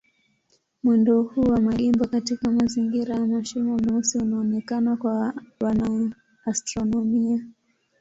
Mwendo huu wa magimba katika mazingira ya mashimo meusi unaonekana kwa wanaastronomia.